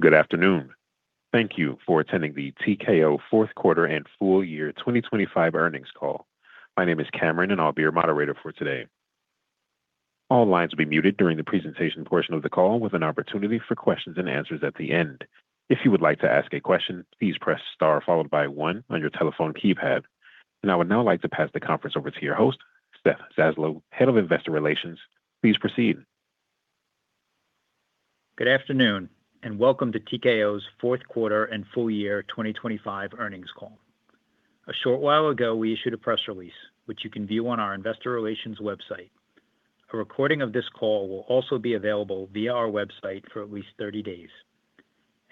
Good afternoon. Thank you for attending the TKO Fourth Quarter and full year 2025 earnings call. My name is Cameron. I'll be your moderator for today. All lines will be muted during the presentation portion of the call, with an opportunity for questions and answers at the end. If you would like to ask a question, please press star followed by one on your telephone keypad. I would now like to pass the conference over to your host, Seth Zaslow, Head of Investor Relations. Please proceed. Good afternoon, welcome to TKO's fourth quarter and full year 2025 earnings call. A short while ago, we issued a press release, which you can view on our investor relations website. A recording of this call will also be available via our website for at least 30 days.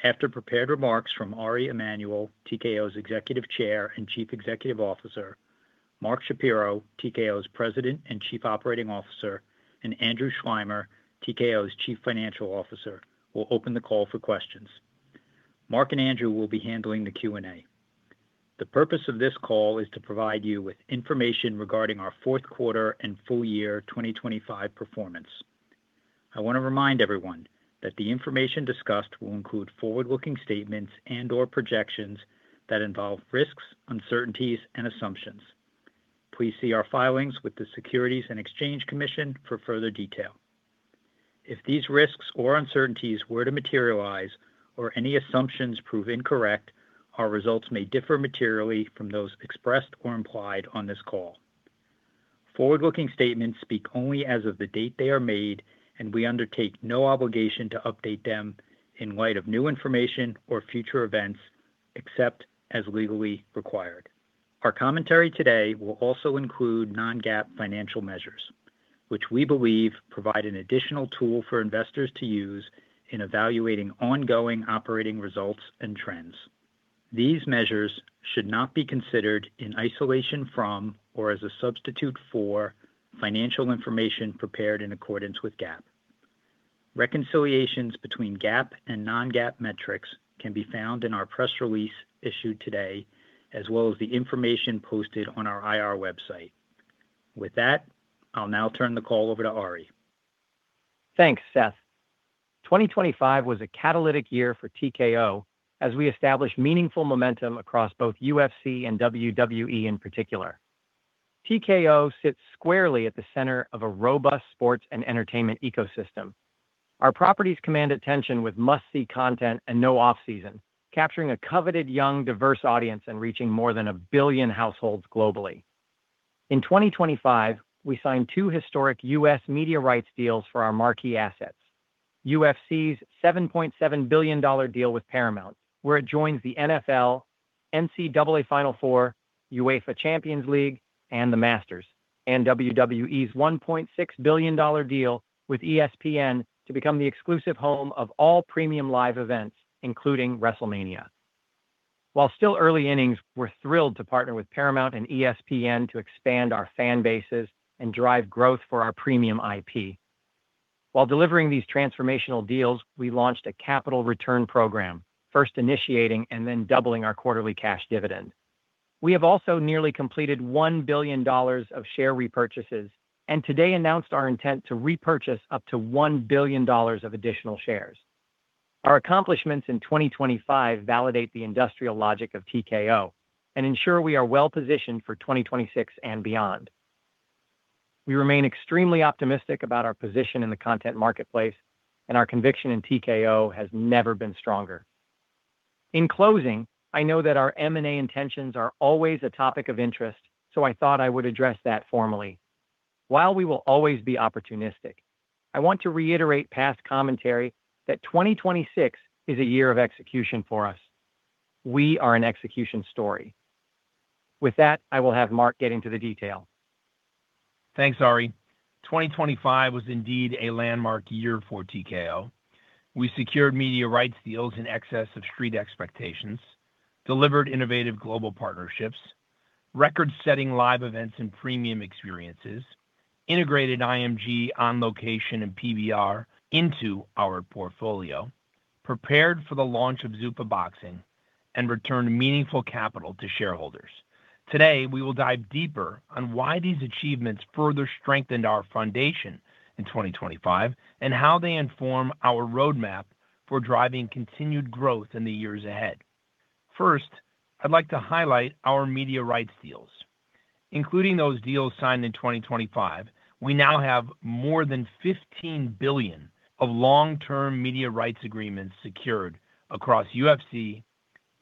After prepared remarks from Ari Emanuel, TKO's Executive Chair and Chief Executive Officer, Mark Shapiro, TKO's President and Chief Operating Officer, and Andrew Schleimer, TKO's Chief Financial Officer, we'll open the call for questions. Mark and Andrew will be handling the Q&A. The purpose of this call is to provide you with information regarding our fourth quarter and full year 2025 performance. I want to remind everyone that the information discussed will include forward-looking statements and/or projections that involve risks, uncertainties, and assumptions. Please see our filings with the Securities and Exchange Commission for further detail. If these risks or uncertainties were to materialize or any assumptions prove incorrect, our results may differ materially from those expressed or implied on this call. Forward-looking statements speak only as of the date they are made. We undertake no obligation to update them in light of new information or future events, except as legally required. Our commentary today will also include non-GAAP financial measures, which we believe provide an additional tool for investors to use in evaluating ongoing operating results and trends. These measures should not be considered in isolation from or as a substitute for financial information prepared in accordance with GAAP. Reconciliations between GAAP and non-GAAP metrics can be found in our press release issued today, as well as the information posted on our I.R. website. With that, I'll now turn the call over to Ari. Thanks, Seth. 2025 was a catalytic year for TKO as we established meaningful momentum across both UFC and WWE in particular. TKO sits squarely at the center of a robust sports and entertainment ecosystem. Our properties command attention with must-see content and no off-season, capturing a coveted young, diverse audience and reaching more than 1 billion households globally. In 2025, we signed two historic U.S. media rights deals for our marquee assets: UFC's $7.7 billion deal with Paramount, where it joins the NFL, NCAA Final Four, UEFA Champions League, and the Masters, and WWE's $1.6 billion deal with ESPN to become the exclusive home of all Premium Live Events, including WrestleMania. While still early innings, we're thrilled to partner with Paramount and ESPN to expand our fan bases and drive growth for our premium IP. While delivering these transformational deals, we launched a capital return program, first initiating and then doubling our quarterly cash dividend. We have also nearly completed $1 billion of share repurchases and today announced our intent to repurchase up to $1 billion of additional shares. Our accomplishments in 2025 validate the industrial logic of TKO and ensure we are well positioned for 2026 and beyond. We remain extremely optimistic about our position in the content marketplace, and our conviction in TKO has never been stronger. In closing, I know that our M&A intentions are always a topic of interest, so I thought I would address that formally. While we will always be opportunistic, I want to reiterate past commentary that 2026 is a year of execution for us. We are an execution story. With that, I will have Mark get into the detail. Thanks, Ari. 2025 was indeed a landmark year for TKO. We secured media rights deals in excess of street expectations, delivered innovative global partnerships, record-setting live events and premium experiences, integrated IMG On Location and PBR into our portfolio, prepared for the launch of Zuffa Boxing, and returned meaningful capital to shareholders. Today, we will dive deeper on why these achievements further strengthened our foundation in 2025 and how they inform our roadmap for driving continued growth in the years ahead. First, I'd like to highlight our media rights deals. Including those deals signed in 2025, we now have more than $15 billion of long-term media rights agreements secured across UFC,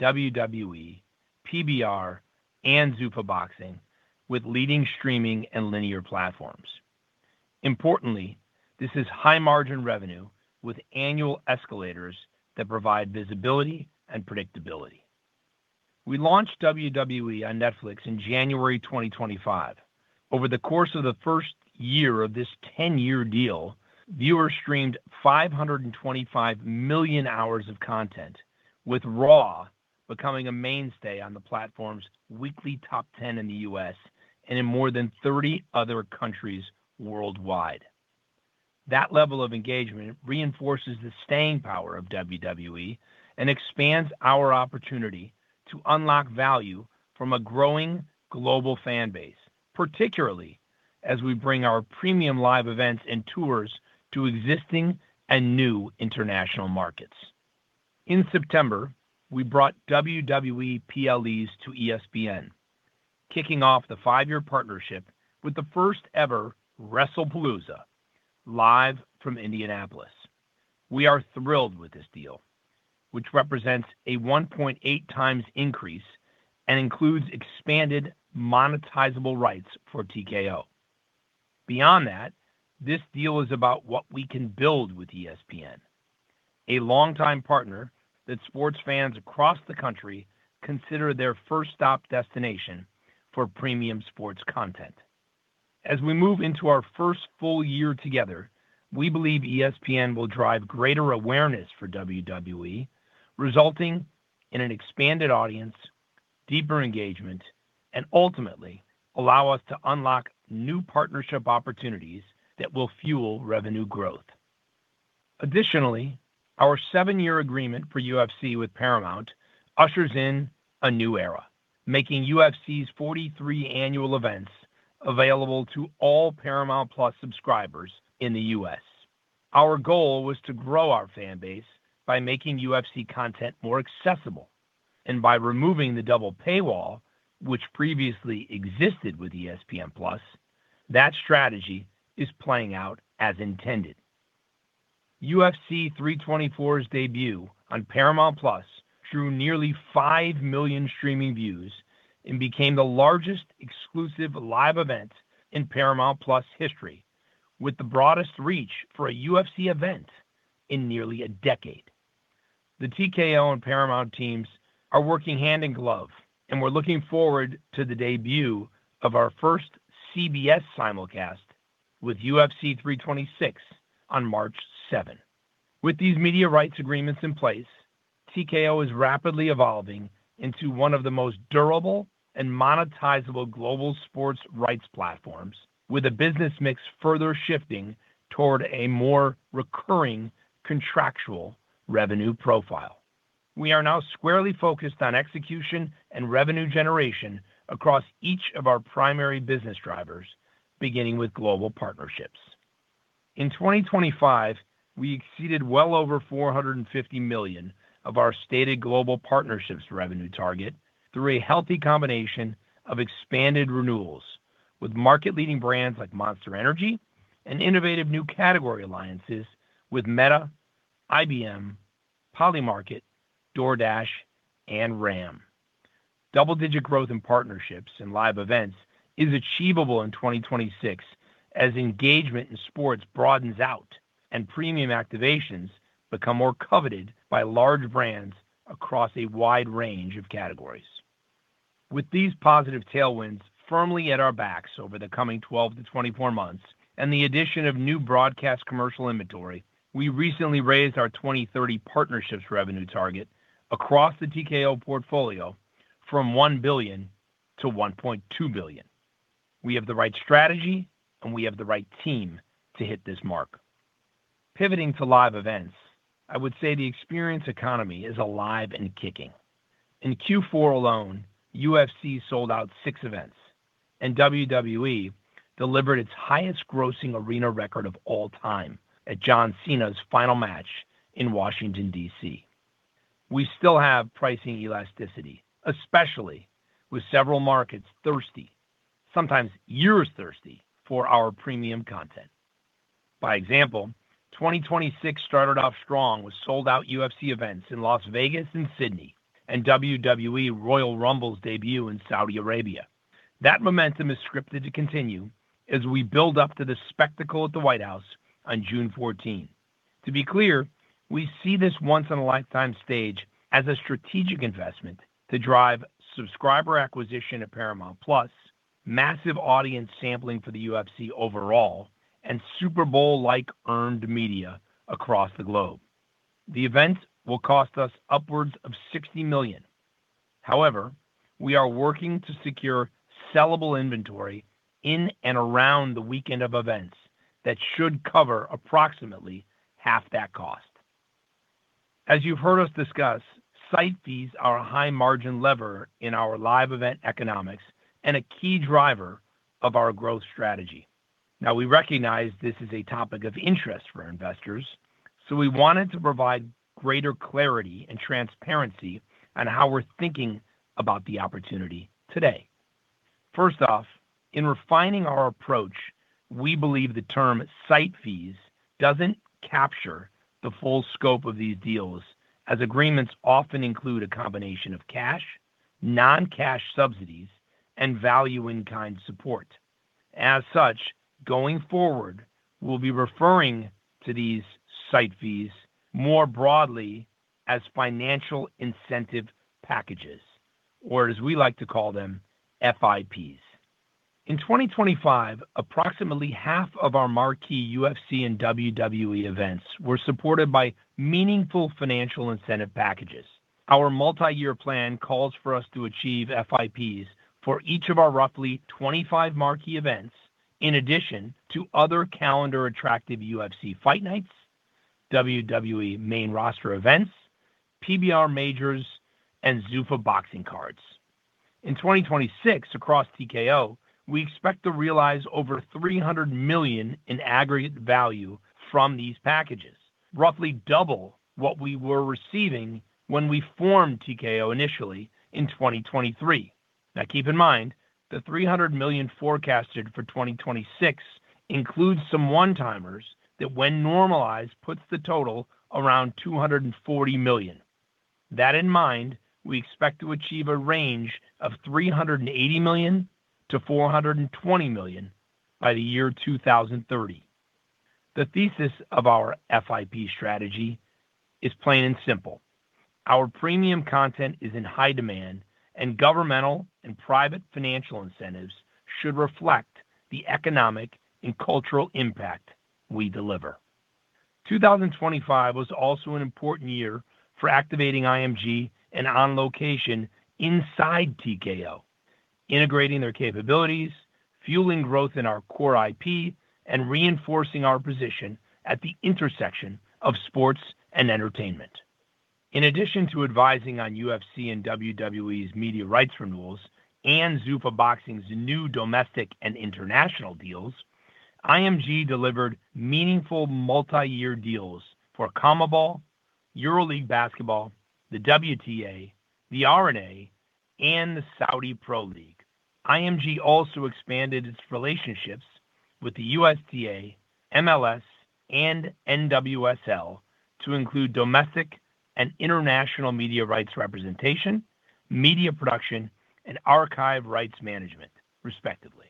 WWE, PBR, and Zuffa Boxing, with leading streaming and linear platforms. Importantly, this is high-margin revenue with annual escalators that provide visibility and predictability. We launched WWE on Netflix in January 2025. Over the course of the first year of this 10-year deal, viewers streamed 525 million hours of content, with Raw becoming a mainstay on the platform's weekly top 10 in the U.S. and in more than 30 other countries worldwide. That level of engagement reinforces the staying power of WWE and expands our opportunity to unlock value from a growing global fan base, as we bring our Premium Live Events and tours to existing and new international markets. In September, we brought WWE PLEs to ESPN, kicking off the 5-year partnership with the first-ever Wrestlepalooza live from Indianapolis. We are thrilled with this deal, which represents a 1.8x increase and includes expanded monetizable rights for TKO. Beyond that, this deal is about what we can build with ESPN, a longtime partner that sports fans across the country consider their first-stop destination for premium sports content. As we move into our first full year together, we believe ESPN will drive greater awareness for WWE, resulting in an expanded audience, deeper engagement, and ultimately allow us to unlock new partnership opportunities that will fuel revenue growth. Additionally, our 7-year agreement for UFC with Paramount ushers in a new era, making UFC's 43 annual events available to all Paramount+ subscribers in the U.S. Our goal was to grow our fan base by making UFC content more accessible, and by removing the double paywall, which previously existed with ESPN+, that strategy is playing out as intended. UFC 324's debut on Paramount+ drew nearly 5 million streaming views and became the largest exclusive live event in Paramount+ history, with the broadest reach for a UFC event in nearly a decade. The TKO and Paramount teams are working hand in glove. We're looking forward to the debut of our first CBS simulcast with UFC 326 on March 7. With these media rights agreements in place, TKO is rapidly evolving into one of the most durable and monetizable global sports rights platforms, with a business mix further shifting toward a more recurring contractual revenue profile. We are now squarely focused on execution and revenue generation across each of our primary business drivers, beginning with global partnerships. In 2025, we exceeded well over $450 million of our stated global partnerships revenue target through a healthy combination of expanded renewals with market-leading brands like Monster Energy and innovative new category alliances with Meta, IBM, Polymarket, DoorDash, and RAM. Double-digit growth in partnerships and live events is achievable in 2026 as engagement in sports broadens out and premium activations become more coveted by large brands across a wide range of categories. With these positive tailwinds firmly at our backs over the coming 12-24 months and the addition of new broadcast commercial inventory, we recently raised our 2030 partnerships revenue target across the TKO portfolio from $1 billion to $1.2 billion. We have the right strategy, and we have the right team to hit this mark. Pivoting to live events, I would say the experience economy is alive and kicking. In Q4 alone, UFC sold out 6 events, and WWE delivered its highest-grossing arena record of all time at John Cena's final match in Washington, D.C. We still have pricing elasticity, especially with several markets thirsty, sometimes years thirsty, for our premium content. By example, 2026 started off strong with sold-out UFC events in Las Vegas and Sydney and WWE Royal Rumble's debut in Saudi Arabia. That momentum is scripted to continue as we build up to the spectacle at the White House on June 14. To be clear, we see this once-in-a-lifetime stage as a strategic investment to drive subscriber acquisition at Paramount+, massive audience sampling for the UFC overall, and Super Bowl-like earned media across the globe. The event will cost us upwards of $60 million. We are working to secure sellable inventory in and around the weekend of events that should cover approximately half that cost. As you've heard us discuss, site fees are a high-margin lever in our live event economics and a key driver of our growth strategy. We recognize this is a topic of interest for investors, so we wanted to provide greater clarity and transparency on how we're thinking about the opportunity today. In refining our approach, we believe the term site fees doesn't capture the full scope of these deals, as agreements often include a combination of cash, non-cash subsidies, and value-in-kind support. Going forward, we'll be referring to these site fees more broadly as financial incentive packages, or as we like to call them, FIPs. In 2025, approximately half of our marquee UFC and WWE events were supported by meaningful financial incentive packages. Our multi-year plan calls for us to achieve FIPs for each of our roughly 25 marquee events, in addition to other calendar-attractive UFC fight nights, WWE main roster events, PBR majors, and Zuffa Boxing cards. In 2026 across TKO, we expect to realize over $300 million in aggregate value from these packages, roughly double what we were receiving when we formed TKO initially in 2023. Now, keep in mind, the $300 million forecasted for 2026 includes some one-timers that, when normalized, puts the total around $240 million. That in mind, we expect to achieve a range of $380 million-$420 million by the year 2030. The thesis of our FIP strategy is plain and simple: Our premium content is in high demand, and governmental and private financial incentives should reflect the economic and cultural impact we deliver. 2025 was also an important year for activating IMG and On Location inside TKO, integrating their capabilities, fueling growth in our core IP, and reinforcing our position at the intersection of sports and entertainment. In addition to advising on UFC and WWE's media rights renewals and Zuffa Boxing's new domestic and international deals, IMG delivered meaningful multi-year deals for CONMEBOL, Euroleague Basketball, the WTA, the R&A, and the Saudi Pro League. IMG also expanded its relationships with the USTA, MLS, and NWSL to include domestic and international media rights representation, media production, and archive rights management, respectively.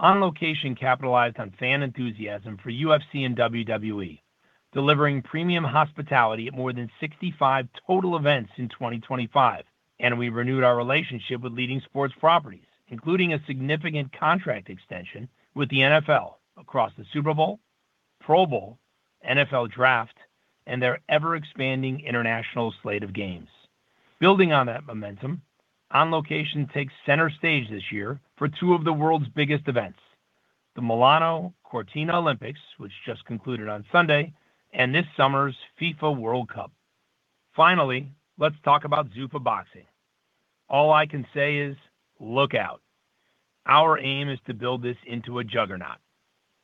On Location capitalized on fan enthusiasm for UFC and WWE, delivering premium hospitality at more than 65 total events in 2025. We renewed our relationship with leading sports properties, including a significant contract extension with the NFL across the Super Bowl, Pro Bowl, NFL Draft, and their ever-expanding international slate of games. Building on that momentum, On Location takes center stage this year for two of the world's biggest events, the Milano-Cortina Olympics, which just concluded on Sunday, and this summer's FIFA World Cup. Let's talk about Zuffa Boxing. All I can say is, look out. Our aim is to build this into a juggernaut.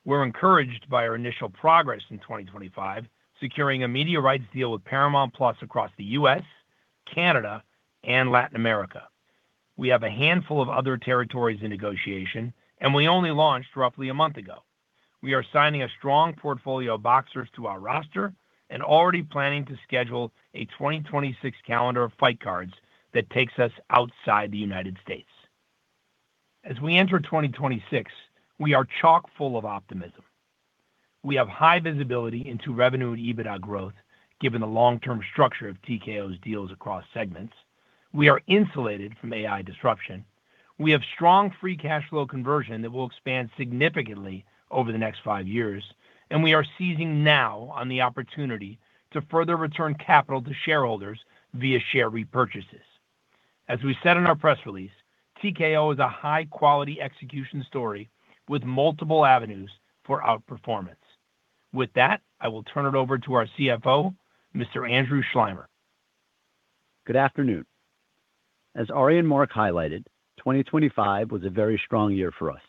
We're encouraged by our initial progress in 2025, securing a media rights deal with Paramount+ across the U.S., Canada, and Latin America. We have a handful of other territories in negotiation. We only launched roughly a month ago. We are signing a strong portfolio of boxers to our roster and already planning to schedule a 2026 calendar of fight cards that takes us outside the United States. As we enter 2026, we are chock-full of optimism. We have high visibility into revenue and Adjusted EBITDA growth, given the long-term structure of TKO's deals across segments. We are insulated from AI disruption. We have strong free cash flow conversion that will expand significantly over the next 5 years, and we are seizing now on the opportunity to further return capital to shareholders via share repurchases. As we said in our press release, TKO is a high-quality execution story with multiple avenues for outperformance. With that, I will turn it over to our CFO, Mr. Andrew Schleimer. Good afternoon. As Ari and Mark highlighted, 2025 was a very strong year for us.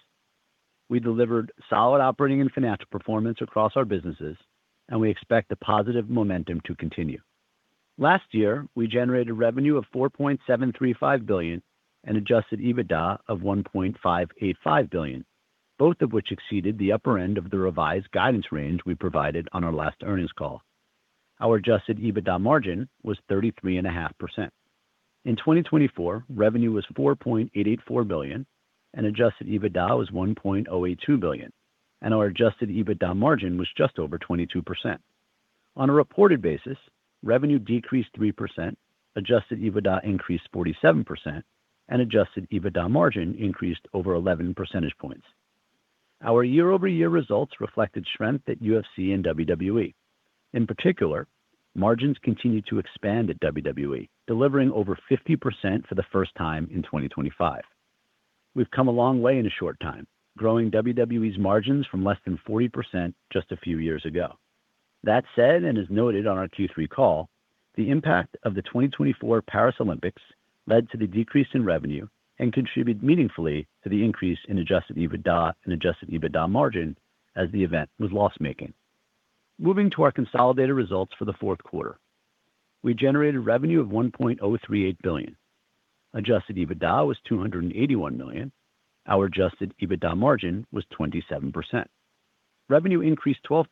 We delivered solid operating and financial performance across our businesses. We expect the positive momentum to continue. Last year, we generated revenue of $4.735 billion and Adjusted EBITDA of $1.585 billion, both of which exceeded the upper end of the revised guidance range we provided on our last earnings call. Our Adjusted EBITDA margin was 33.5%. In 2024, revenue was $4.884 billion and Adjusted EBITDA was $1.082 billion. Our Adjusted EBITDA margin was just over 22%. On a reported basis, revenue decreased 3%, Adjusted EBITDA increased 47%, Adjusted EBITDA margin increased over 11 percentage points. Our year-over-year results reflected strength at UFC and WWE. In particular, margins continued to expand at WWE, delivering over 50% for the first time in 2025. We've come a long way in a short time, growing WWE's margins from less than 40% just a few years ago. That said, as noted on our Q3 call, the impact of the 2024 Paris Olympics led to the decrease in revenue and contributed meaningfully to the increase in Adjusted EBITDA and Adjusted EBITDA margin as the event was loss-making. Moving to our consolidated results for the fourth quarter. We generated revenue of $1.038 billion. Adjusted EBITDA was $281 million. Our Adjusted EBITDA margin was 27%. Revenue increased 12%,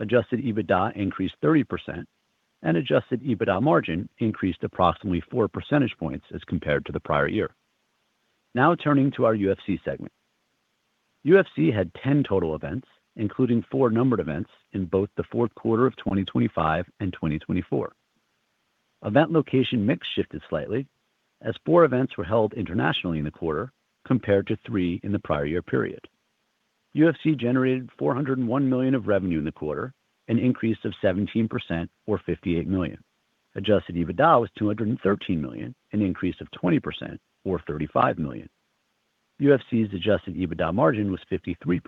Adjusted EBITDA increased 30%, and Adjusted EBITDA margin increased approximately 4 percentage points as compared to the prior year. Turning to our UFC segment. UFC had 10 total events, including 4 numbered events in both the fourth quarter of 2025 and 2024. Event location mix shifted slightly as 4 events were held internationally in the quarter, compared to 3 in the prior year period. UFC generated $401 million of revenue in the quarter, an increase of 17% or $58 million. UFC's Adjusted EBITDA margin was 53%,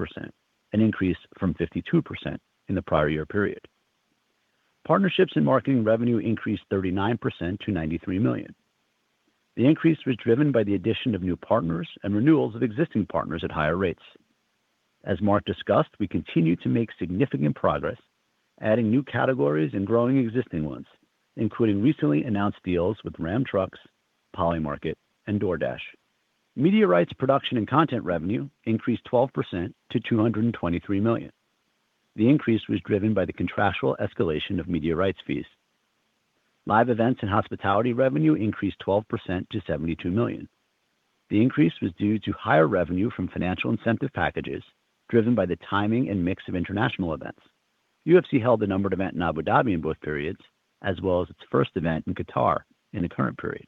an increase from 52% in the prior year period. Partnerships and marketing revenue increased 39% to $93 million. The increase was driven by the addition of new partners and renewals of existing partners at higher rates. As Mark discussed, we continue to make significant progress, adding new categories and growing existing ones, including recently announced deals with Ram Trucks, Polymarket, and DoorDash. Media rights, production, and content revenue increased 12% to $223 million. The increase was driven by the contractual escalation of media rights fees. Live events and hospitality revenue increased 12% to $72 million. The increase was due to higher revenue from financial incentive packages, driven by the timing and mix of international events. UFC held a numbered event in Abu Dhabi in both periods, as well as its first event in Qatar in the current period.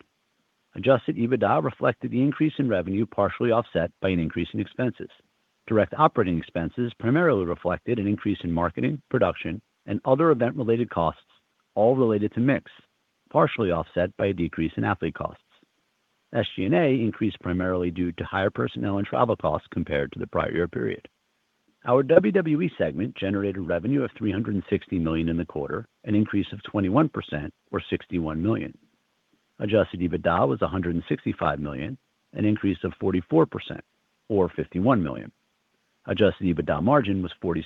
Adjusted EBITDA reflected the increase in revenue, partially offset by an increase in expenses. Direct operating expenses primarily reflected an increase in marketing, production, and other event-related costs, all related to mix, partially offset by a decrease in athlete costs. SG&A increased primarily due to higher personnel and travel costs compared to the prior year period. Our WWE segment generated revenue of $360 million in the quarter, an increase of 21% or $61 million. Adjusted EBITDA was $165 million, an increase of 44% or $51 million. Adjusted EBITDA margin was 46%,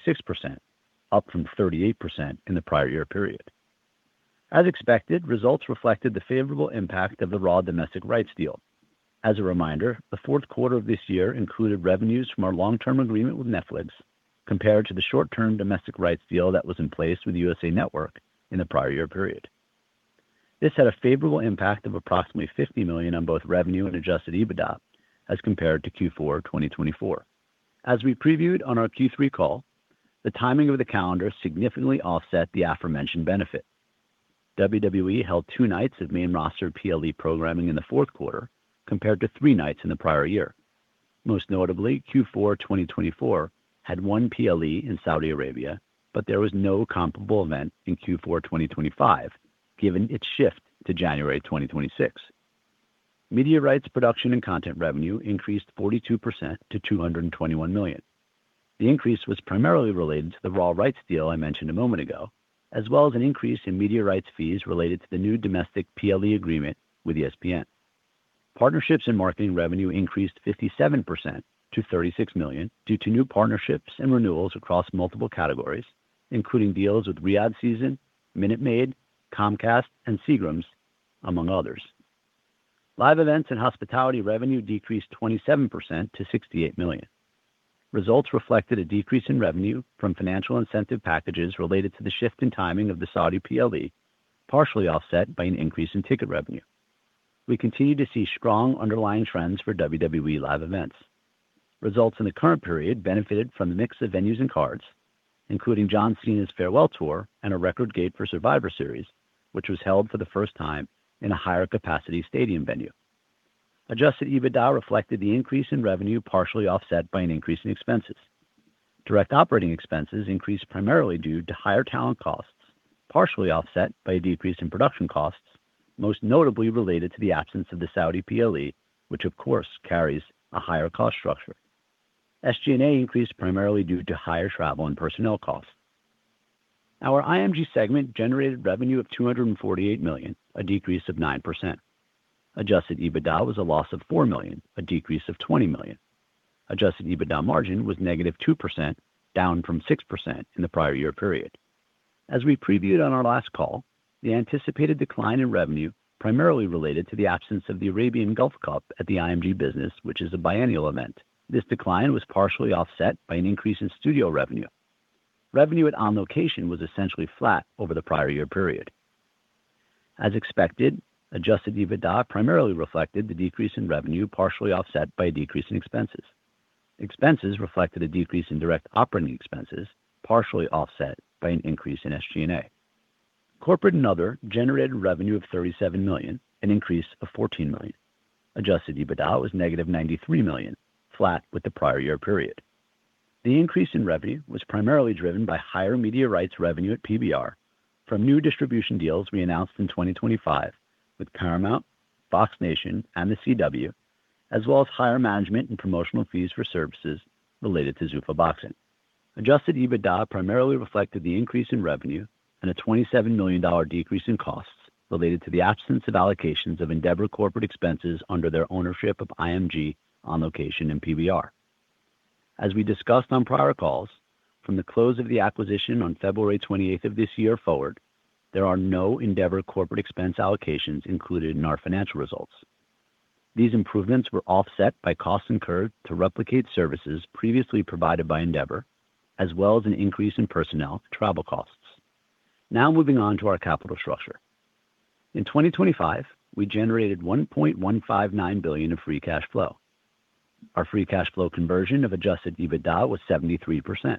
up from 38% in the prior year period. As expected, results reflected the favorable impact of the Raw domestic rights deal. As a reminder, the fourth quarter of this year included revenues from our long-term agreement with Netflix, compared to the short-term domestic rights deal that was in place with USA Network in the prior year period. This had a favorable impact of approximately $50 million on both revenue and Adjusted EBITDA as compared to Q4 2024. As we previewed on our Q3 call, the timing of the calendar significantly offset the aforementioned benefit. WWE held two nights of main roster PLE programming in the fourth quarter, compared to three nights in the prior year. Most notably, Q4 2024 had 1 PLE in Saudi Arabia, but there was no comparable event in Q4 2025, given its shift to January 2026. Media rights, production, and content revenue increased 42% to $221 million. The increase was primarily related to the Raw rights deal I mentioned a moment ago, as well as an increase in media rights fees related to the new domestic PLE agreement with ESPN. Partnerships and marketing revenue increased 57% to $36 million due to new partnerships and renewals across multiple categories, including deals with Riyadh Season, Minute Maid, Comcast, and Seagram's, among others. Live events and hospitality revenue decreased 27% to $68 million. Results reflected a decrease in revenue from financial incentive packages related to the shift in timing of the Saudi PLE, partially offset by an increase in ticket revenue. We continue to see strong underlying trends for WWE live events. Results in the current period benefited from the mix of venues and cards, including John Cena's farewell tour and a record gate for Survivor Series, which was held for the first time in a higher capacity stadium venue. Adjusted EBITDA reflected the increase in revenue, partially offset by an increase in expenses. Direct operating expenses increased primarily due to higher talent costs, partially offset by a decrease in production costs, most notably related to the absence of the Saudi PLE, which of course carries a higher cost structure. SG&A increased primarily due to higher travel and personnel costs. Our IMG segment generated revenue of $248 million, a decrease of 9%. Adjusted EBITDA was a loss of $4 million, a decrease of $20 million. Adjusted EBITDA margin was negative 2%, down from 6% in the prior year period. As we previewed on our last call, the anticipated decline in revenue primarily related to the absence of the Arabian Gulf Cup at the IMG business, which is a biennial event. This decline was partially offset by an increase in studio revenue. Revenue at On Location was essentially flat over the prior year period. As expected, Adjusted EBITDA primarily reflected the decrease in revenue, partially offset by a decrease in expenses. Expenses reflected a decrease in direct operating expenses, partially offset by an increase in SG&A. Corporate and other generated revenue of $37 million, an increase of $14 million. Adjusted EBITDA was negative $93 million, flat with the prior year period. The increase in revenue was primarily driven by higher media rights revenue at PBR from new distribution deals we announced in 2025 with Paramount, Fox Nation, and The CW, as well as higher management and promotional fees for services related to Zuffa Boxing. Adjusted EBITDA primarily reflected the increase in revenue and a $27 million decrease in costs related to the absence of allocations of Endeavor corporate expenses under their ownership of IMG, On Location, and PBR. As we discussed on prior calls, from the close of the acquisition on February 28th of this year forward, there are no Endeavor corporate expense allocations included in our financial results. These improvements were offset by costs incurred to replicate services previously provided by Endeavor, as well as an increase in personnel travel costs. Moving on to our capital structure. In 2025, we generated $1.159 billion of free cash flow. Our free cash flow conversion of Adjusted EBITDA was 73%.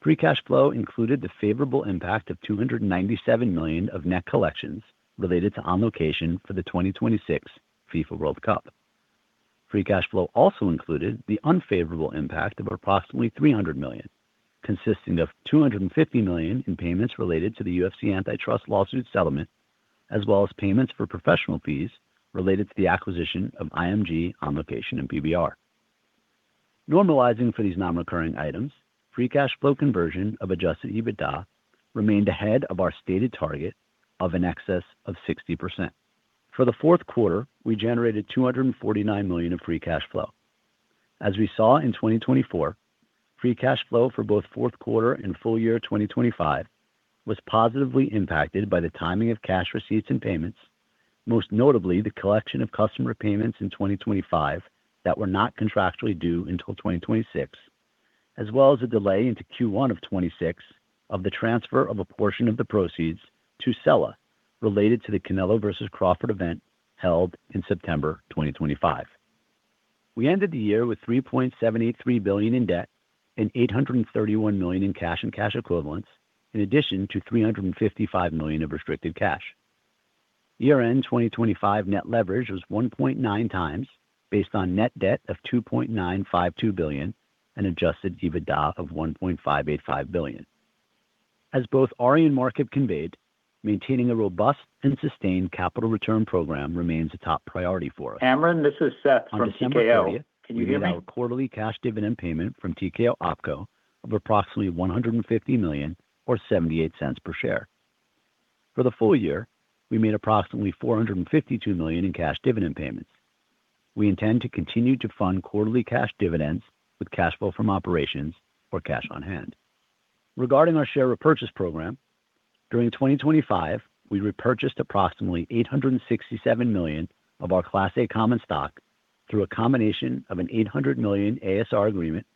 Free cash flow included the favorable impact of $297 million of net collections related to On Location for the 2026 FIFA World Cup. Free cash flow also included the unfavorable impact of approximately $300 million, consisting of $250 million in payments related to the UFC antitrust lawsuit settlement as well as payments for professional fees related to the acquisition of IMG, On Location, and PBR. Normalizing for these non-recurring items, free cash flow conversion of Adjusted EBITDA remained ahead of our stated target of in excess of 60%. For the fourth quarter, we generated $249 million of free cash flow. As we saw in 2024, free cash flow for both fourth quarter and full year 2025 was positively impacted by the timing of cash receipts and payments, most notably the collection of customer payments in 2025 that were not contractually due until 2026, as well as a delay into Q1 of 2026 of the transfer of a portion of the proceeds to Sela related to the Canelo versus Crawford event held in September 2025. We ended the year with $3.783 billion in debt and $831 million in cash and cash equivalents, in addition to $355 million of restricted cash. Year-end 2025 net leverage was 1.9 times, based on net debt of $2.952 billion and Adjusted EBITDA of $1.585 billion. As both Ari and Mark have conveyed, maintaining a robust and sustained capital return program remains a top priority for us. Amran, this is Seth from TKO. Can you hear me? We paid out a quarterly cash dividend payment from TKO OpCo of approximately $150 million or $0.78 per share. For the full year, we made approximately $452 million in cash dividend payments. We intend to continue to fund quarterly cash dividends with cash flow from operations or cash on hand. Regarding our share repurchase program, during 2025, we repurchased approximately $867 million of our Class A common stock through a combination of an $800 million ASR agreement,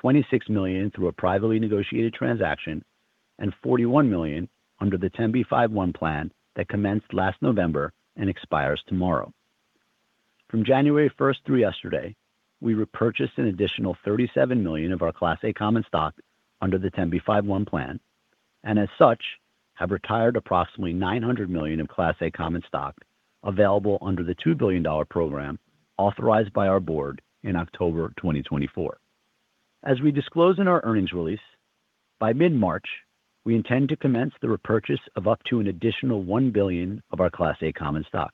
$26 million through a privately negotiated transaction, and $41 million under the 10b5-1 Plan that commenced last November and expires tomorrow. From January 1st through yesterday, we repurchased an additional $37 million of our Class A common stock under the 10b5-1 Plan. As such, have retired approximately $900 million of Class A common stock available under the $2 billion program authorized by our board in October 2024. As we disclose in our earnings release, by mid-March, we intend to commence the repurchase of up to an additional $1 billion of our Class A common stock.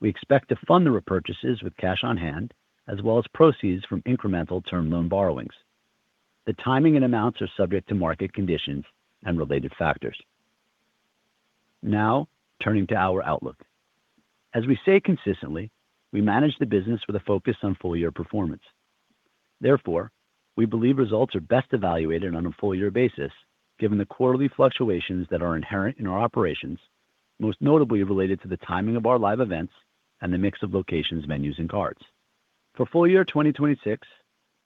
We expect to fund the repurchases with cash on hand, as well as proceeds from incremental term loan borrowings. The timing and amounts are subject to market conditions and related factors. Turning to our outlook. As we say consistently, we manage the business with a focus on full year performance. Therefore, we believe results are best evaluated on a full year basis, given the quarterly fluctuations that are inherent in our operations, most notably related to the timing of our live events and the mix of locations, menus, and cards. For full year 2026,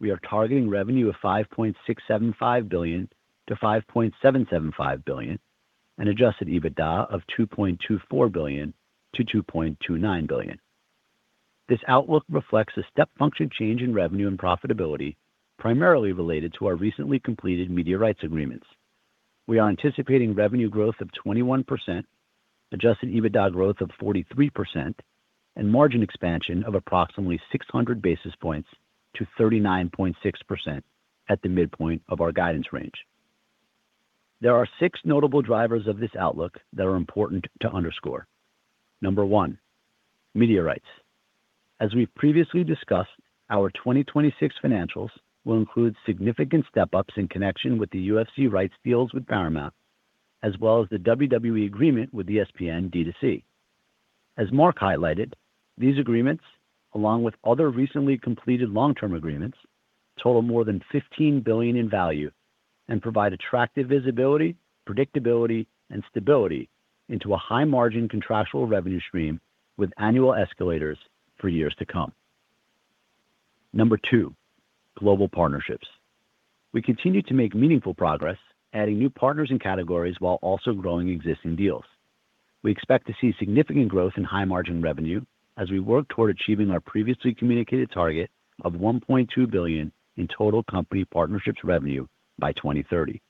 we are targeting revenue of $5.675 billion-$5.775 billion and Adjusted EBITDA of $2.24 billion-$2.29 billion. This outlook reflects a step function change in revenue and profitability, primarily related to our recently completed media rights agreements. We are anticipating revenue growth of 21%, Adjusted EBITDA growth of 43%, and margin expansion of approximately 600 basis points to 39.6% at the midpoint of our guidance range. There are six notable drivers of this outlook that are important to underscore. Number 1, media rights. As we've previously discussed, our 2026 financials will include significant step-ups in connection with the UFC rights deals with Paramount, as well as the WWE agreement with ESPN DTC. As Mark highlighted, these agreements, along with other recently completed long-term agreements, total more than $15 billion in value and provide attractive visibility, predictability, and stability into a high-margin contractual revenue stream with annual escalators for years to come. Number two, global partnerships. We continue to make meaningful progress, adding new partners and categories while also growing existing deals. We expect to see significant growth in high-margin revenue as we work toward achieving our previously communicated target of $1.2 billion in total company partnerships revenue by 2030.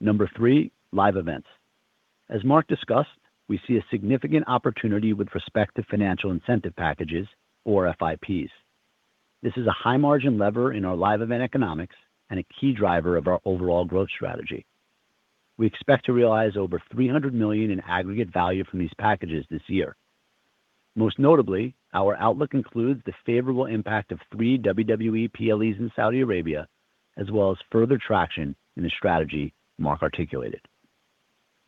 Number three, live events. As Mark discussed, we see a significant opportunity with respect to financial incentive packages or FIPs. This is a high-margin lever in our live event economics and a key driver of our overall growth strategy. We expect to realize over $300 million in aggregate value from these packages this year. Most notably, our outlook includes the favorable impact of 3 WWE PLEs in Saudi Arabia, as well as further traction in the strategy Mark articulated.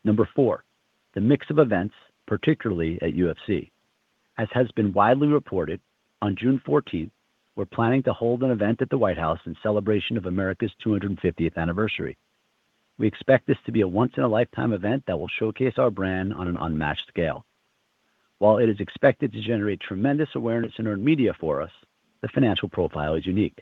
Number four, the mix of events, particularly at UFC. As has been widely reported, on June 14th, we're planning to hold an event at the White House in celebration of America's 250th anniversary. We expect this to be a once-in-a-lifetime event that will showcase our brand on an unmatched scale. While it is expected to generate tremendous awareness and earned media for us, the financial profile is unique.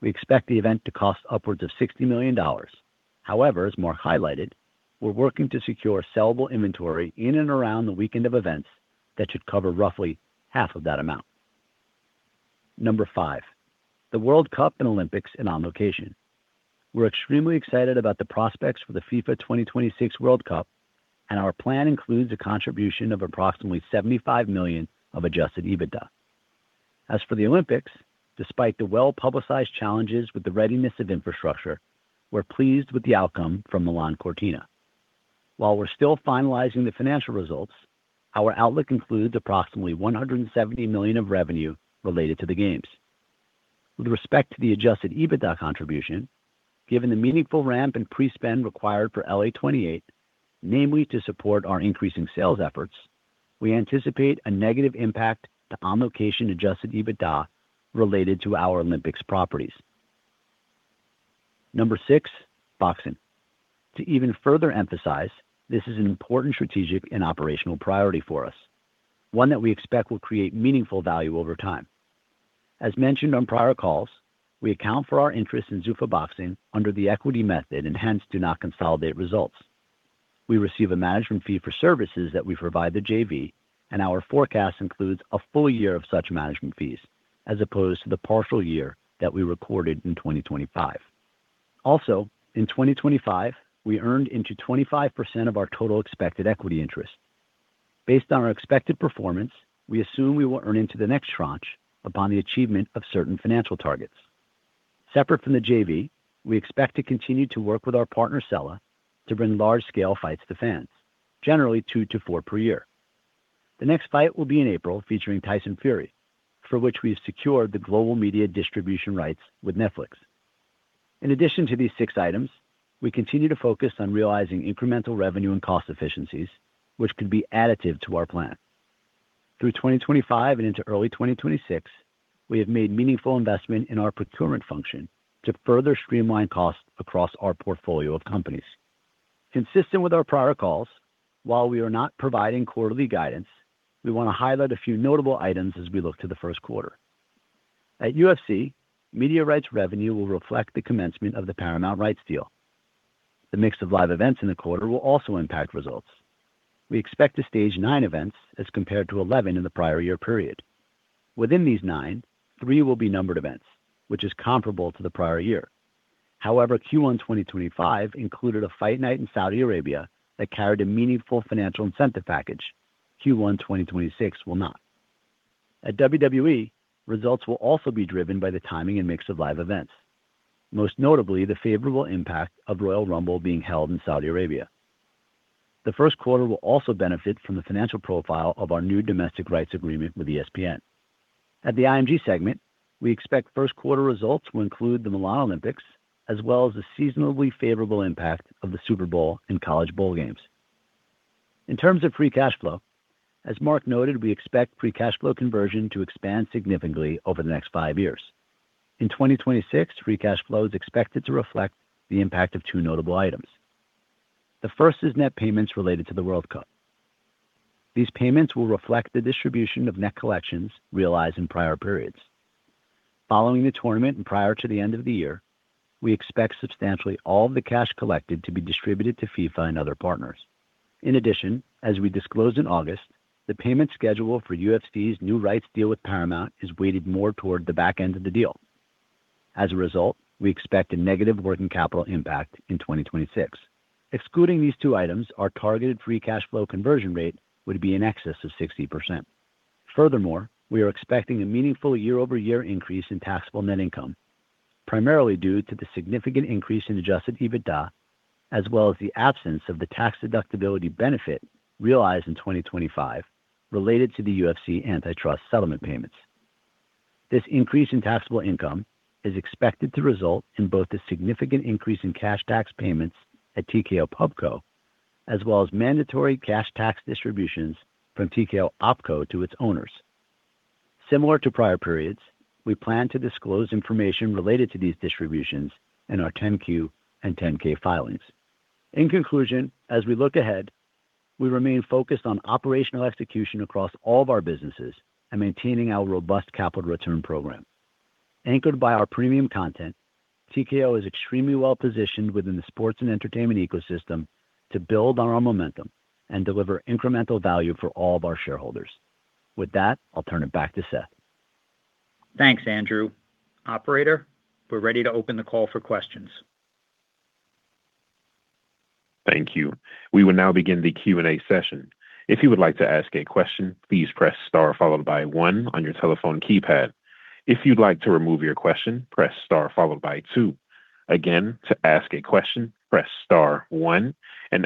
We expect the event to cost upwards of $60 million. As Mark highlighted, we're working to secure sellable inventory in and around the weekend of events that should cover roughly half of that amount. Number five, the World Cup and Olympics and On Location. We're extremely excited about the prospects for the FIFA 2026 World Cup, and our plan includes a contribution of approximately $75 million of Adjusted EBITDA. As for the Olympics, despite the well-publicized challenges with the readiness of infrastructure, we're pleased with the outcome from Milan-Cortina. While we're still finalizing the financial results, our outlook includes approximately $170 million of revenue related to the games. With respect to the Adjusted EBITDA contribution, given the meaningful ramp and pre-spend required for LA28, namely to support our increasing sales efforts, we anticipate a negative impact to On Location Adjusted EBITDA related to our Olympics properties. Number six, boxing. To even further emphasize, this is an important strategic and operational priority for us, one that we expect will create meaningful value over time. As mentioned on prior calls, we account for our interest in Zuffa Boxing under the equity method and hence do not consolidate results. We receive a management fee for services that we provide the JV, and our forecast includes a full year of such management fees as opposed to the partial year that we recorded in 2025. In 2025, we earned into 25% of our total expected equity interest. Based on our expected performance, we assume we will earn into the next tranche upon the achievement of certain financial targets. Separate from the JV, we expect to continue to work with our partner, Sela, to bring large-scale fights to the fans, generally 2 to 4 per year. The next fight will be in April, featuring Tyson Fury, for which we've secured the global media distribution rights with Netflix. In addition to these six items, we continue to focus on realizing incremental revenue and cost efficiencies, which could be additive to our plan. Through 2025 and into early 2026, we have made meaningful investment in our procurement function to further streamline costs across our portfolio of companies. Consistent with our prior calls, while we are not providing quarterly guidance, we want to highlight a few notable items as we look to the first quarter. At UFC, media rights revenue will reflect the commencement of the Paramount rights deal. The mix of live events in the quarter will also impact results. We expect to stage nine events as compared to 11 in the prior year period. Within these nine, three will be numbered events, which is comparable to the prior year. However, Q1 2025 included a fight night in Saudi Arabia that carried a meaningful financial incentive package. Q1 2026 will not. At WWE, results will also be driven by the timing and mix of live events, most notably the favorable impact of Royal Rumble being held in Saudi Arabia. The first quarter will also benefit from the financial profile of our new domestic rights agreement with ESPN. At the IMG segment, we expect first quarter results to include the Milan Olympics, as well as the seasonably favorable impact of the Super Bowl and college bowl games. In terms of free cash flow, as Mark noted, we expect free cash flow conversion to expand significantly over the next five years. In 2026, free cash flow is expected to reflect the impact of two notable items. The first is net payments related to the World Cup. These payments will reflect the distribution of net collections realized in prior periods. Following the tournament and prior to the end of the year, we expect substantially all the cash collected to be distributed to FIFA and other partners. As we disclosed in August, the payment schedule for UFC's new rights deal with Paramount is weighted more toward the back end of the deal. We expect a negative working capital impact in 2026. Excluding these two items, our targeted free cash flow conversion rate would be in excess of 60%. Furthermore, we are expecting a meaningful year-over-year increase in taxable net income, primarily due to the significant increase in Adjusted EBITDA, as well as the absence of the tax deductibility benefit realized in 2025 related to the UFC antitrust settlement payments. This increase in taxable income is expected to result in both the significant increase in cash tax payments at TKO Pubco, as well as mandatory cash tax distributions from TKO OpCo to its owners. Similar to prior periods, we plan to disclose information related to these distributions in our 10-Q and 10-K filings. In conclusion, as we look ahead, we remain focused on operational execution across all of our businesses and maintaining our robust capital return program. Anchored by our premium content, TKO is extremely well-positioned within the sports and entertainment ecosystem to build on our momentum and deliver incremental value for all of our shareholders. With that, I'll turn it back to Seth. Thanks, Andrew. Operator, we're ready to open the call for questions. Thank you. We will now begin the Q&A session. If you would like to ask a question, please press Star followed by 1 on your telephone keypad. If you'd like to remove your question, press star followed by two. Again, to ask a question, press star one.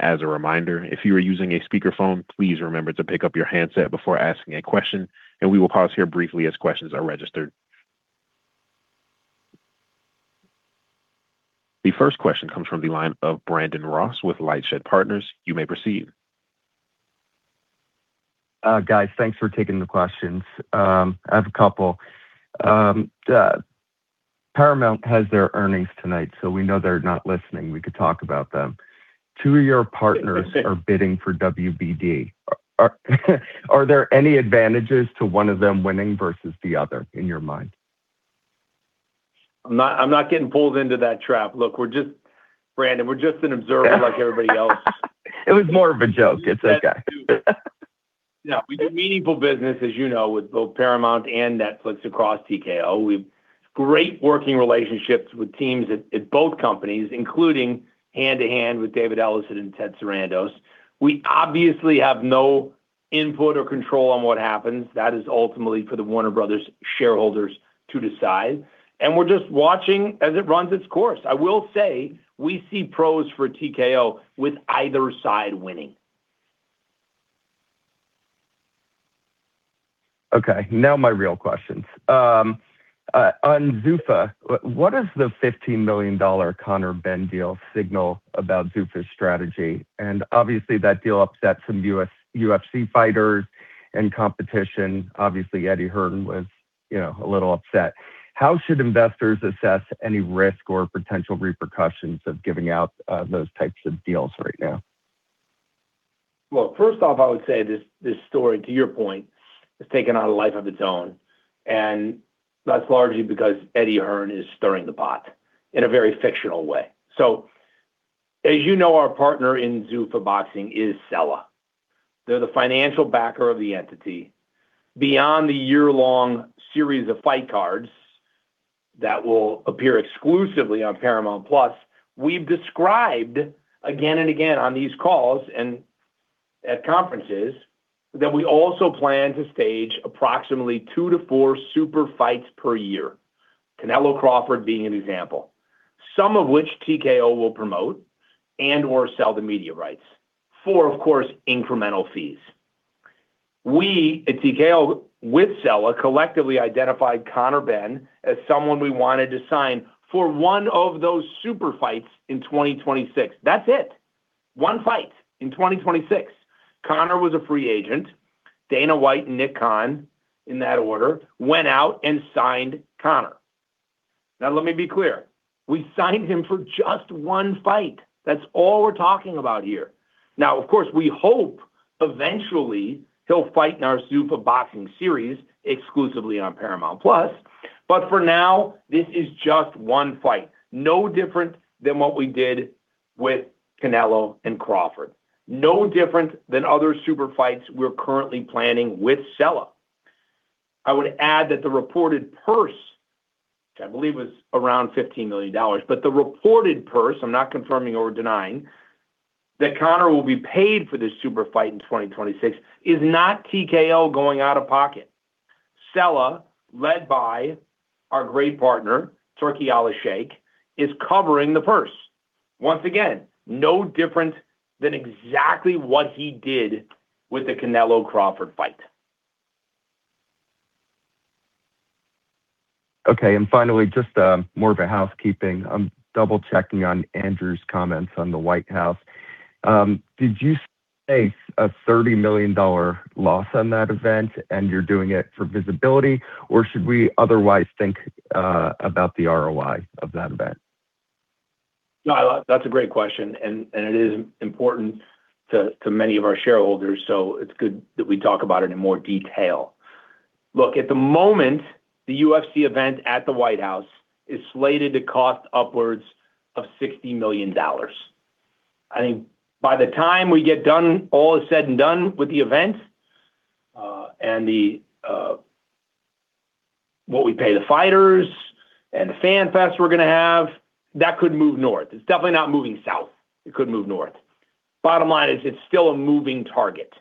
As a reminder, if you are using a speakerphone, please remember to pick up your handset before asking a question, and we will pause here briefly as questions are registered. The first question comes from the line of Brandon Ross with LightShed Partners. You may proceed. Guys, thanks for taking the questions. I have a couple. Paramount has their earnings tonight. We know they're not listening. We could talk about them. Two of your partners are bidding for WBD. Are there any advantages to one of them winning versus the other, in your mind? I'm not getting pulled into that trap. Look, Brandon, we're just an observer like everybody else. It was more of a joke. It's okay. We do meaningful business, as you know, with both Paramount and Netflix across TKO.... great working relationships with teams at both companies, including hand-to-hand with David Ellison and Ted Sarandos. We obviously have no input or control on what happens. That is ultimately for the Warner Bros. shareholders to decide, and we're just watching as it runs its course. I will say, we see pros for TKO with either side winning. Okay, now my real questions. On Zuffa, what is the $15 million Conor Benn deal signal about Zuffa's strategy? Obviously, that deal upset some UFC fighters and competition. Obviously, Eddie Hearn was, you know, a little upset. How should investors assess any risk or potential repercussions of giving out those types of deals right now? First off, I would say this story, to your point, has taken on a life of its own, and that's largely because Eddie Hearn is stirring the pot in a very fictional way. As you know, our partner in Zuffa Boxing is Sela. They're the financial backer of the entity. Beyond the year-long series of fight cards that will appear exclusively on Paramount+, we've described again and again on these calls and at conferences, that we also plan to stage approximately two to four super fights per year, Canelo Crawford being an example, some of which TKO will promote and/or sell the media rights for, of course, incremental fees. We at TKO, with Sela, collectively identified Conor Benn as someone we wanted to sign for one of those super fights in 2026. That's it. One fight in 2026. Conor was a free agent. Dana White and Nick Khan, in that order, went out and signed Conor. Let me be clear, we signed him for just one fight. That's all we're talking about here. Of course, we hope eventually he'll fight in our Zuffa Boxing series exclusively on Paramount+, but for now, this is just one fight, no different than what we did with Canelo and Crawford. No different than other super fights we're currently planning with Sela. I would add that the reported purse, which I believe was around $15 million, but the reported purse, I'm not confirming or denying, that Conor will be paid for this super fight in 2026 is not TKO going out of pocket. Sela, led by our great partner, Turki Alalshikh, is covering the purse. Once again, no different than exactly what he did with the Canelo Crawford fight. Finally, just more of a housekeeping. I'm double-checking on Andrew's comments on the White House. Did you face a $30 million loss on that event, and you're doing it for visibility, or should we otherwise think about the ROI of that event? That's a great question, and it is important to many of our shareholders, so it's good that we talk about it in more detail. At the moment, the UFC event at the White House is slated to cost upwards of $60 million. I think by the time we get done, all is said and done with the event, and the what we pay the fighters and the fan fest we're gonna have, that could move north. It's definitely not moving south. It could move north. Bottom line is, it's still a moving target.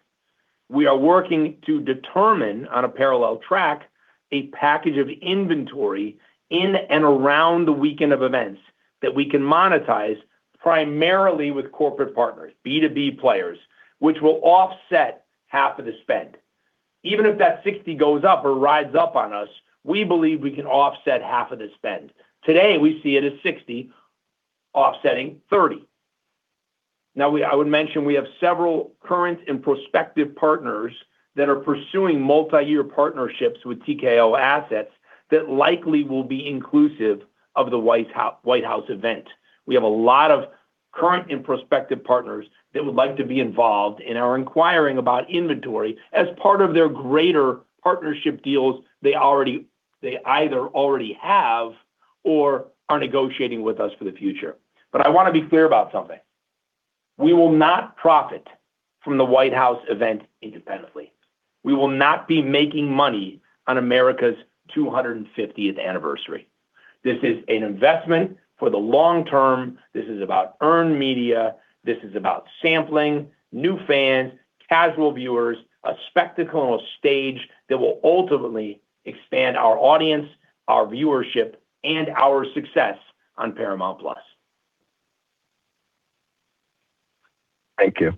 We are working to determine, on a parallel track, a package of inventory in and around the weekend of events that we can monetize, primarily with corporate partners, B2B players, which will offset half of the spend. Even if that $60 goes up or rides up on us, we believe we can offset half of the spend. Today, we see it as $60, offsetting $30. I would mention we have several current and prospective partners that are pursuing multi-year partnerships with TKO Assets that likely will be inclusive of the White House event. We have a lot of current and prospective partners that would like to be involved and are inquiring about inventory as part of their greater partnership deals they either already have or are negotiating with us for the future. I wanna be clear about something: We will not profit from the White House event independently. We will not be making money on America's 250th anniversary. This is an investment for the long term. This is about earned media. This is about sampling, new fans, casual viewers, a spectacle on a stage that will ultimately expand our audience, our viewership, and our success on Paramount+. Thank you.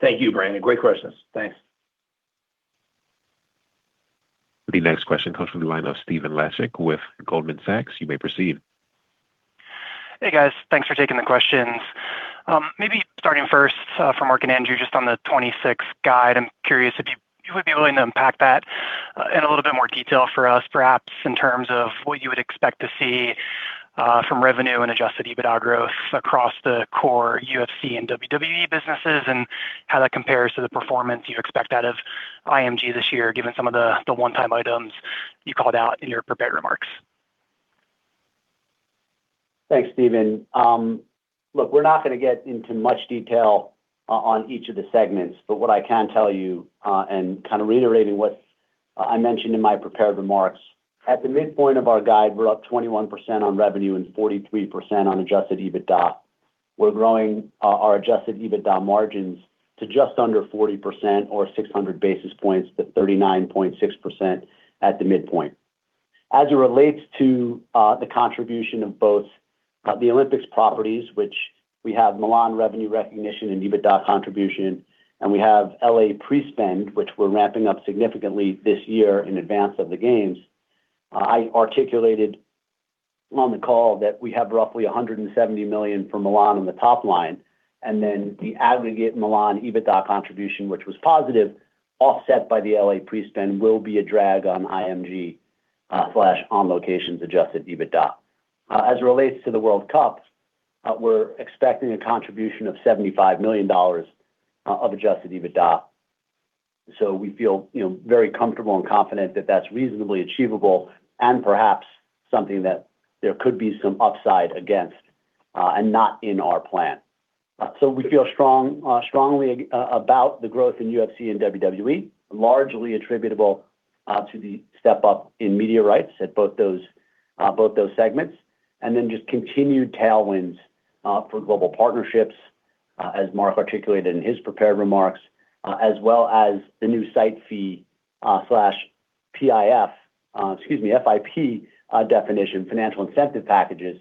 Thank you, Brandon. Great questions. Thanks. The next question comes from the line of Stephen Laszczyk with Goldman Sachs. You may proceed. Hey, guys. Thanks for taking the questions. Maybe starting first for Mark and Andrew, just on the 2026 guide, I'm curious if you would be willing to unpack that in a little bit more detail for us, perhaps, in terms of what you would expect to see from revenue and Adjusted EBITDA growth across the core UFC and WWE businesses, and how that compares to the performance you expect out of IMG this year, given some of the one-time items you called out in your prepared remarks? Thanks, Stephen. Look, we're not going to get into much detail on each of the segments, but what I can tell you, and kind of reiterating what I mentioned in my prepared remarks, at the midpoint of our guide, we're up 21% on revenue and 43% on Adjusted EBITDA. We're growing our Adjusted EBITDA margins to just under 40% or 600 basis points to 39.6% at the midpoint. As it relates to the contribution of both the Olympics properties, which we have Milan revenue recognition and EBITDA contribution, and we have LA pre-spend, which we're ramping up significantly this year in advance of the games. I articulated on the call that we have roughly $170 million for Milan on the top line, then the aggregate Milan EBITDA contribution, which was positive, offset by the LA pre-spend, will be a drag on IMG/On Location's Adjusted EBITDA. As it relates to the World Cup, we're expecting a contribution of $75 million of Adjusted EBITDA. We feel, you know, very comfortable and confident that that's reasonably achievable and perhaps something that there could be some upside against, and not in our plan. We feel strong, strongly about the growth in UFC and WWE, largely attributable to the step up in media rights at both those, both those segments, and then just continued tailwinds for global partnerships, as Mark articulated in his prepared remarks, as well as the new site fee slash FIP definition, financial incentive packages.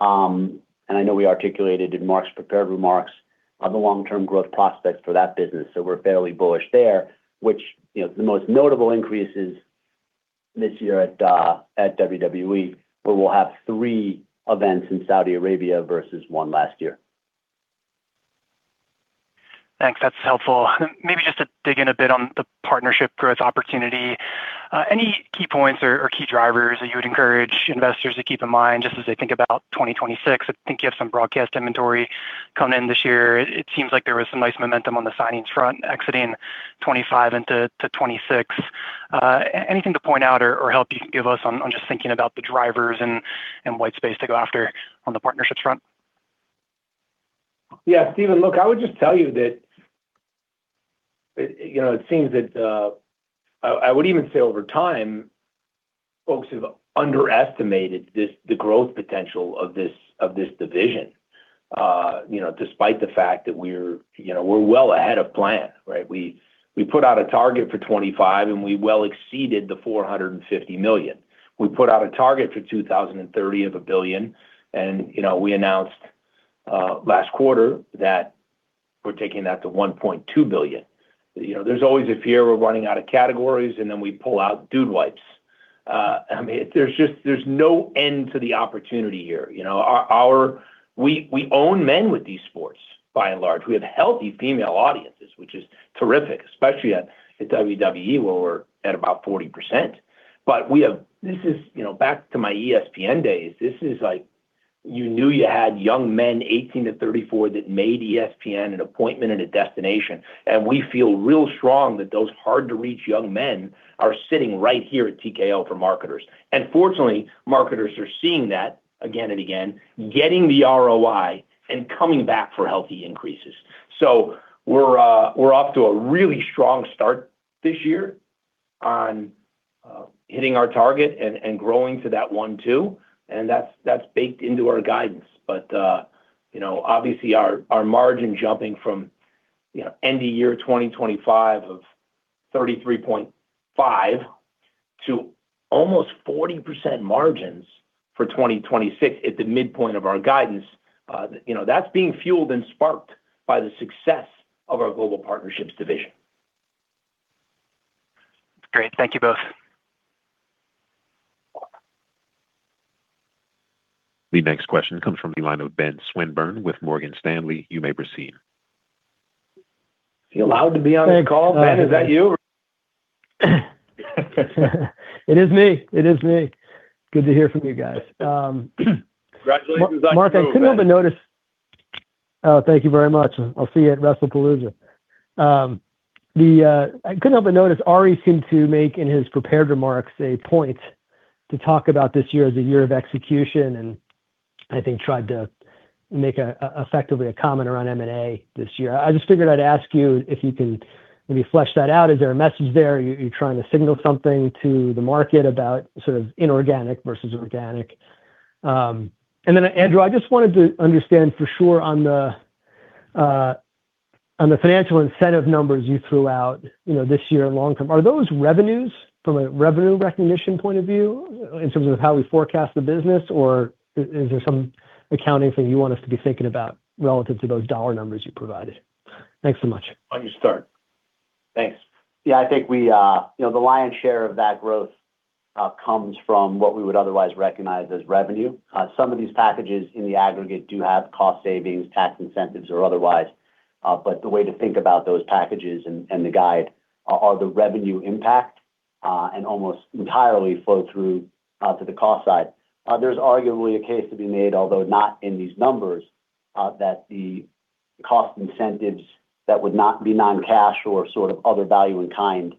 I know we articulated in Mark's prepared remarks on the long-term growth prospects for that business, so we're fairly bullish there, which, you know, the most notable increases this year at WWE, where we'll have 3 events in Saudi Arabia versus 1 last year. Thanks. That's helpful. Maybe just to dig in a bit on the partnership growth opportunity. Any key points or key drivers that you would encourage investors to keep in mind just as they think about 2026? I think you have some broadcast inventory coming in this year. It seems like there was some nice momentum on the signings front, exiting 25 into 26. Anything to point out or help you can give us on just thinking about the drivers and white space to go after on the partnerships front? Yeah, Stephen, look, I would just tell you that, you know, it seems that, I would even say over time, folks have underestimated this the growth potential of this, of this division. You know, despite the fact that we're, you know, we're well ahead of plan, right? We put out a target for 2025. We well exceeded the $450 million. We put out a target for 2030 of $1 billion. You know, we announced last quarter that we're taking that to $1.2 billion. You know, there's always a fear we're running out of categories. Then we pull out DUDE Wipes. I mean, there's just, there's no end to the opportunity here. You know, we own men with these sports, by and large. We have healthy female audiences, which is terrific, especially at WWE, where we're at about 40%. This is, you know, back to my ESPN days, this is like, you knew you had young men, 18-34, that made ESPN an appointment and a destination. We feel real strong that those hard-to-reach young men are sitting right here at TKO for marketers. Fortunately, marketers are seeing that again and again, getting the ROI and coming back for healthy increases. We're off to a really strong start this year on hitting our target and growing to that one, too, and that's baked into our guidance. You know, obviously, our margin jumping from, you know, end of year 2025 of 33.5 to almost 40% margins for 2026 at the midpoint of our guidance, you know, that's being fueled and sparked by the success of our global partnerships division. Great. Thank you both. The next question comes from the line of Ben Swinburne with Morgan Stanley. You may proceed. Is he allowed to be on the call? Ben, is that you? It is me. It is me. Good to hear from you guys. Congratulations on the move, Ben. Mark, I couldn't help but notice. Oh, thank you very much. I'll see you at Wrestlepalooza. I couldn't help but notice, Ari seemed to make, in his prepared remarks, a point to talk about this year as a year of execution, and I think tried to make effectively a comment around M&A this year. I just figured I'd ask you if you can maybe flesh that out. Is there a message there? Are you trying to signal something to the market about sort of inorganic versus organic? Andrew, I just wanted to understand for sure on the financial incentive numbers you threw out, you know, this year and long term, are those revenues from a revenue recognition point of view in terms of how we forecast the business, or is there some accounting thing you want us to be thinking about relative to those dollar numbers you provided? Thanks so much. Why don't you start? Thanks. Yeah, I think we, you know, the lion's share of that growth comes from what we would otherwise recognize as revenue. Some of these packages in the aggregate do have cost savings, tax incentives, or otherwise, the way to think about those packages and the guide are the revenue impact and almost entirely flow through to the cost side. There's arguably a case to be made, although not in these numbers, that the cost incentives that would not be non-cash or sort of other value in kind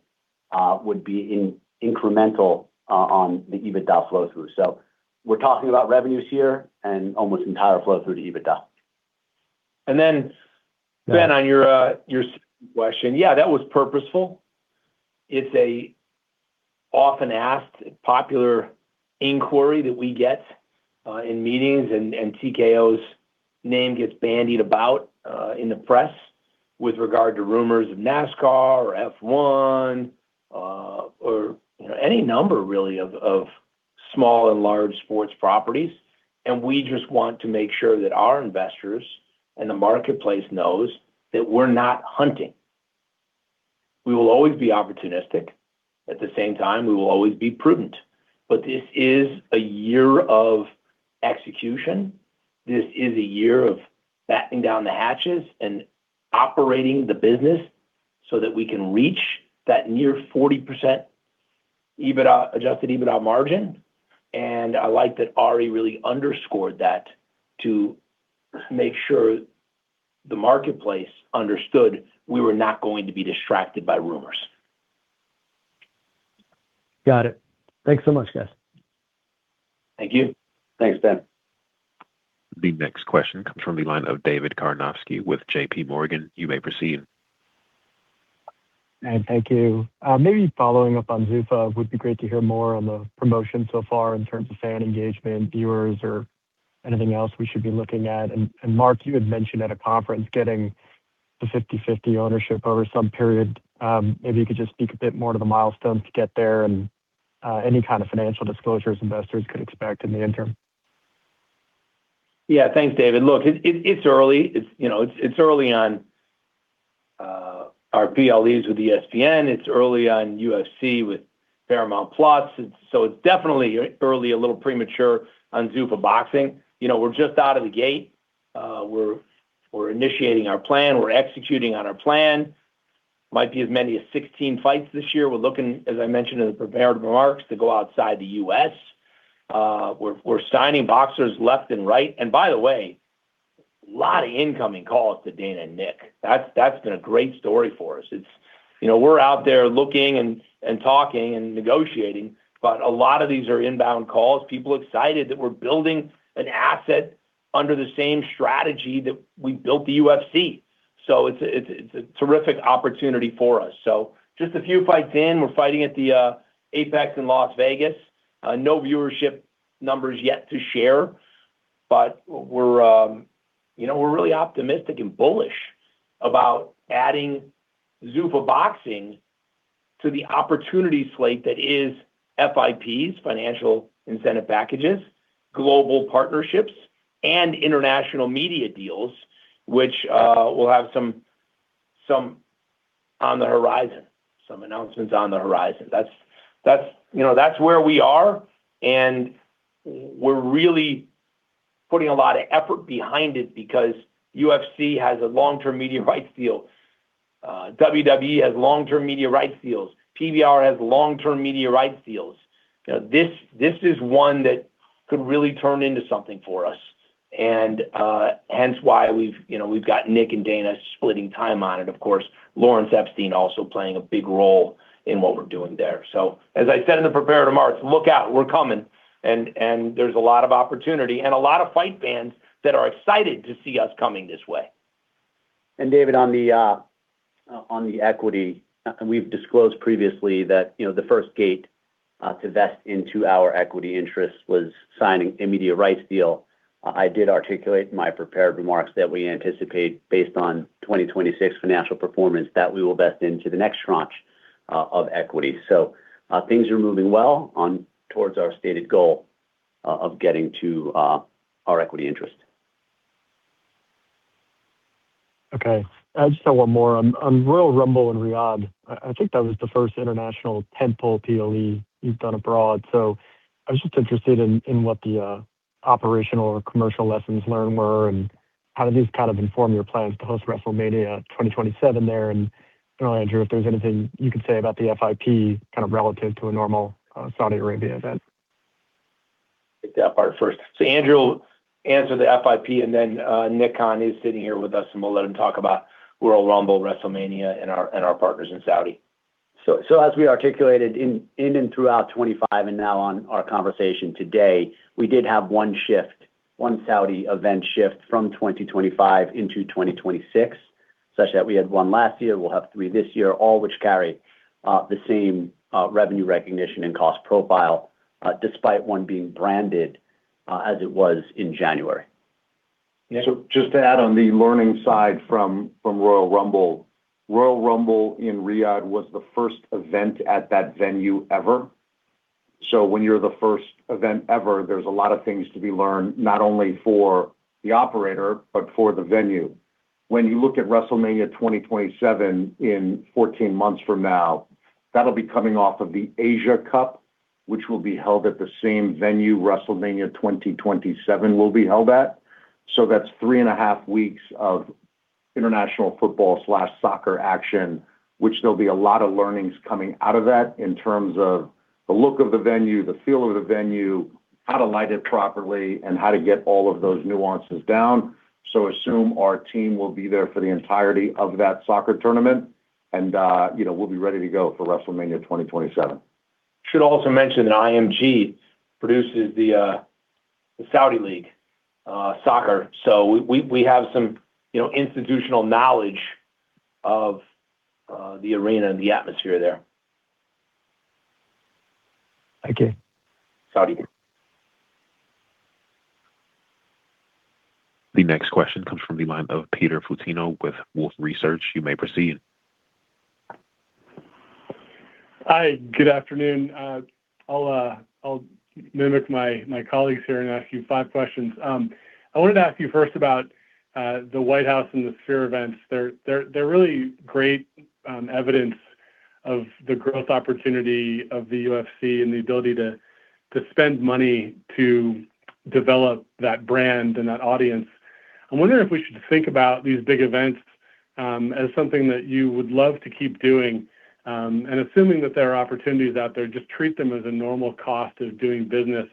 would be in incremental on the EBITDA flow through. We're talking about revenues here and almost entire flow through to EBITDA. Ben, on your question, yeah, that was purposeful. It's a often asked popular inquiry that we get in meetings, and TKO's name gets bandied about in the press with regard to rumors of NASCAR or F1 or, you know, any number really of small and large sports properties. We just want to make sure that our investors and the marketplace knows that we're not hunting. We will always be opportunistic, at the same time, we will always be prudent. This is a year of execution. This is a year of batten down the hatches and operating the business so that we can reach that near 40% EBITDA, Adjusted EBITDA margin. I like that Ari really underscored that to make sure the marketplace understood we were not going to be distracted by rumors. Got it. Thanks so much, guys. Thank you. Thanks, Ben. The next question comes from the line of David Karnovsky with JPMorgan. You may proceed. Thank you. Maybe following up on Zuffa, would be great to hear more on the promotion so far in terms of fan engagement, viewers, or anything else we should be looking at. Mark, you had mentioned at a conference getting the 50-50 ownership over some period. Maybe you could just speak a bit more to the milestones to get there and any kind of financial disclosures investors could expect in the interim. Yeah. Thanks, David. Look, it's early. It's, you know, it's early on our PLEs with ESPN, it's early on UFC with Paramount+. So it's definitely early, a little premature on Zuffa Boxing. You know, we're just out of the gate. We're initiating our plan, we're executing on our plan. Might be as many as 16 fights this year. We're looking, as I mentioned in the prepared remarks, to go outside the U.S. We're signing boxers left and right. By the way, a lot of incoming calls to Dana and Nick. That's been a great story for us. It's, you know, we're out there looking and talking, and negotiating, but a lot of these are inbound calls, people excited that we're building an asset under the same strategy that we built the UFC. It's a terrific opportunity for us. Just a few fights in, we're fighting at the Apex in Las Vegas. No viewership numbers yet to share, but we're, you know, we're really optimistic and bullish about adding Zuffa Boxing to the opportunity slate that is FIPs, Financial Incentive Packages, global partnerships, and international media deals, which will have some announcements on the horizon. That's, you know, that's where we are, and we're really putting a lot of effort behind it because UFC has a long-term media rights deal. WWE has long-term media rights deals. PBR has long-term media rights deals. You know, this is one that could really turn into something for us, and hence why we've, you know, we've got Nick and Dana splitting time on it. Of course, Lawrence Epstein also playing a big role in what we're doing there. As I said in the prepared remarks, look out, we're coming, and there's a lot of opportunity and a lot of fight fans that are excited to see us coming this way. David, on the, on the equity, we've disclosed previously that, you know, the first gate, to vest into our equity interest was signing a media rights deal. I did articulate in my prepared remarks that we anticipate, based on 2026 financial performance, that we will vest into the next tranche of equity. Things are moving well on towards our stated goal of getting to our equity interest. Okay. I just have one more. On Royal Rumble in Riyadh, I think that was the first international tentpole PLE you've done abroad. I was just interested in what the operational or commercial lessons learned were, and how do these kind of inform your plans to host WrestleMania 2027 there? Andrew, if there's anything you could say about the FIP, kind of relative to a normal Saudi Arabia event. Take that part first. Andrew will answer the FIP, and then Nick Khan is sitting here with us, and we'll let him talk about Royal Rumble, WrestleMania, and our partners in Saudi. As we articulated in and throughout 2025 and now on our conversation today, we did have one shift, one Saudi event shift from 2025 into 2026, such that we had one last year, we'll have three this year, all which carry the same revenue recognition and cost profile, despite one being branded as it was in January. Yeah. Just to add on the learning side from Royal Rumble. Royal Rumble in Riyadh was the first event at that venue ever. When you're the first event ever, there's a lot of things to be learned, not only for the operator, but for the venue. When you look at WrestleMania 2027 in 14 months from now, that'll be coming off of the Asia Cup, which will be held at the same venue WrestleMania 2027 will be held at. That's 3 and a half weeks of international football/soccer action, which there'll be a lot of learnings coming out of that in terms of the look of the venue, the feel of the venue.... how to light it properly and how to get all of those nuances down. Assume our team will be there for the entirety of that soccer tournament, and, you know, we'll be ready to go for WrestleMania 2027. Should also mention that IMG produces the Saudi League soccer. We have some, you know, institutional knowledge of the arena and the atmosphere there. Thank you. Saudi Arabia. The next question comes from the line of Peter Supino with Wolfe Research. You may proceed. Hi, good afternoon. I'll mimic my colleagues here and ask you 5 questions. I wanted to ask you first about the White House and the Sphere events. They're really great evidence of the growth opportunity of the UFC and the ability to spend money to develop that brand and that audience. I'm wondering if we should think about these big events as something that you would love to keep doing, and assuming that there are opportunities out there, just treat them as a normal cost of doing business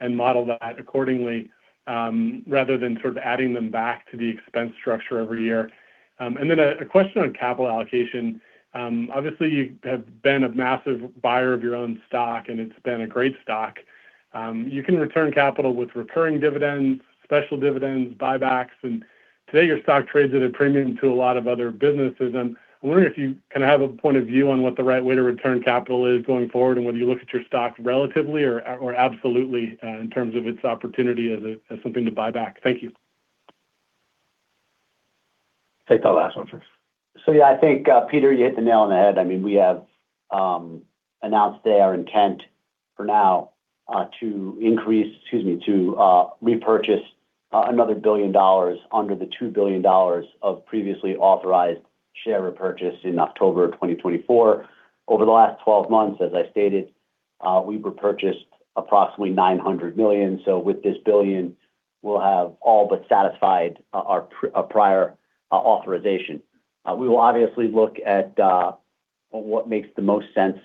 and model that accordingly, rather than sort of adding them back to the expense structure every year. A question on capital allocation. Obviously, you have been a massive buyer of your own stock, and it's been a great stock. You can return capital with recurring dividends, special dividends, buybacks, and today your stock trades at a premium to a lot of other businesses. I'm wondering if you kind of have a point of view on what the right way to return capital is going forward, and whether you look at your stock relatively or absolutely, in terms of its opportunity as something to buy back. Thank you. Take that last one first. Yeah, I think Peter, you hit the nail on the head. I mean, we have announced today our intent for now to increase, excuse me, to repurchase another $1 billion under the $2 billion of previously authorized share repurchase in October of 2024. Over the last 12 months, as I stated, we repurchased approximately $900 million. With this $1 billion, we'll have all but satisfied our prior authorization. We will obviously look at what makes the most sense